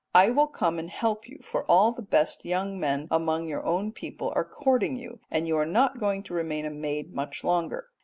I will come and help you, for all the best young men among your own people are courting you, and you are not going to remain a maid much longer.